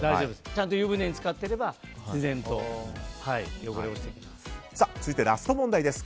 ちゃんと湯船につかっていれば自然と汚れは落ちていきます。